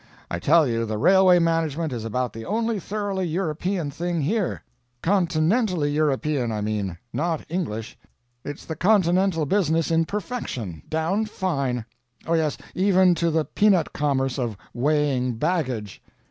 I tell you, the railway management is about the only thoroughly European thing here continentally European I mean, not English. It's the continental business in perfection; down fine. Oh, yes, even to the peanut commerce of weighing baggage."